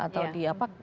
atau di apa